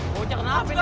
baca kenapa ini